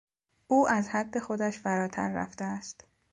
او از حد خودش فراتر رفته است.